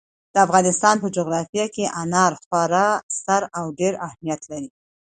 د افغانستان په جغرافیه کې انار خورا ستر او ډېر اهمیت لري.